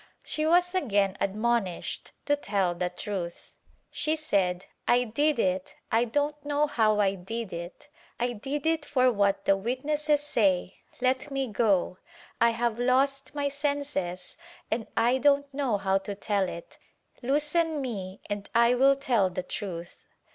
She was again admonished to tell the truth. She said, "I did it, I don't know how I did it — I did it for what the witnesses say — let me go — I have lost my senses and I don't know how to tell it — loosen me and T will tell the truth."